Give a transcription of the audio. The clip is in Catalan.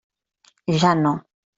Ja no.